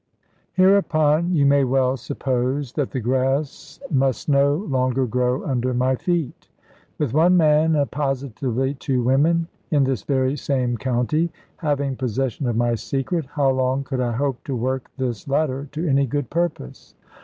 Hereupon, you may well suppose that the grass must no longer grow under my feet. With one man, and positively two women, in this very same county, having possession of my secret, how long could I hope to work this latter to any good purpose?